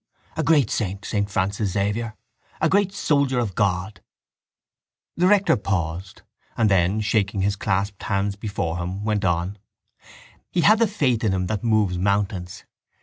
A great saint, saint Francis Xavier! A great soldier of God! The rector paused and then, shaking his clasped hands before him, went on: —He had the faith in him that moves mountains.